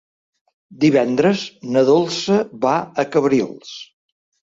Divendres na Dolça va a Cabrils.